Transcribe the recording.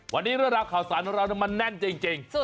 วันนี้ราวข่าวสารของเรามาแน่นจริง